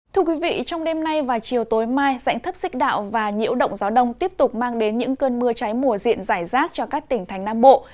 thưa quý vị trong đêm nay và chiều tối mai dãy thấp xích đạo và nhiễu động gió đông tiếp tục mang đến những cơn mưa cháy mùa diện giải rác cho các tỉnh thành nam bộ